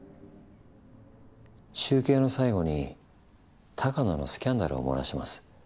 中継の最後に鷹野のスキャンダルを漏らします。